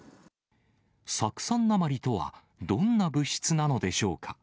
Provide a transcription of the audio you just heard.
酢酸鉛とは、どんな物質なのでしょうか。